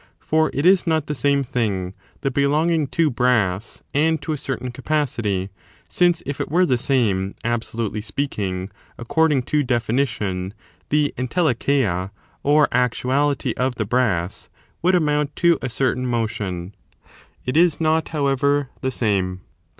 For it is not th6 same thing, the belonging to brass and to a certain capacity ; since if it were the same, absolutely speaking, according to definition, the erUdecheia, or actuality, of the brass would amount to a certain motion : it is not, however, the same.